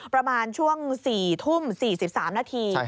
ประมาณช่วง๔ทุ่ม๔๓นาที